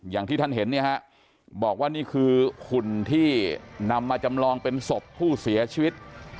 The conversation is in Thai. อย่างที่ท่านเห็นเนี่ยฮะบอกว่านี่คือหุ่นที่นำมาจำลองเป็นศพผู้เสียชีวิต